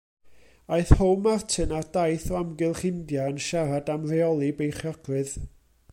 Aeth How-Martyn ar daith o amgylch India yn siarad am reoli beichiogrwydd.